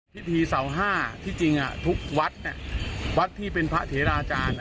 พิธีเสาห้าที่จริงทุกวัดวัดที่เป็นพระเถราจารย์